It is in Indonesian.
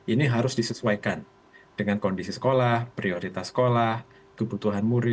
ini harus disesuaikan dengan kondisi sekolah prioritas sekolah kebutuhan murid